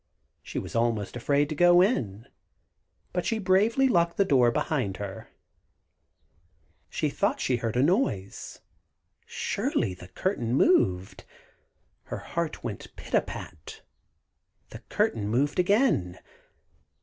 She was almost afraid to go in, but she bravely locked the door behind her. She thought she heard a noise. Surely the curtain moved! Her heart went pit a pat! The curtain moved again.